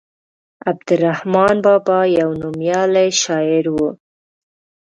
عبدالرحمان بابا يو نوميالی شاعر وو.